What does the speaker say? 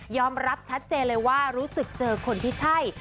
รับชัดเจนเลยว่ารู้สึกเจอคนที่ใช่